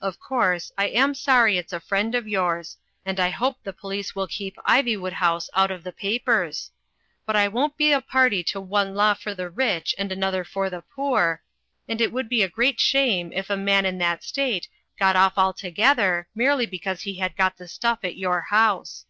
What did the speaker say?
Of course, I am sorry it's a friend of yours; and I hope the police will keep Ivywood House out of the papers. u,y,u.«u by Google THE BATTLE OF THE TUNNEL i6i But I won't be a party to one law for the rich and another for the poor, and it would be a great shame if a man in that state got off altogether merely be cause he had got the stuff at your house."